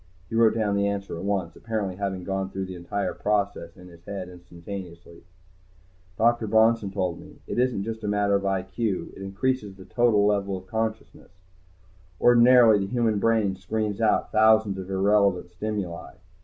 He wrote down the answer at once, apparently having gone through the entire process in his head instantaneously. Dr. Bronson told me, "It isn't just a matter of I.Q. It increases the total level of consciousness. Ordinarily the human brain screens out thousands of irrelevant stimuli.